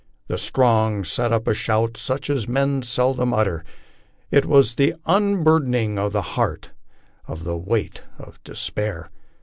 The strong set up a shout such as men selcknn utter. It was the unburdening of the heart of the weight of despair.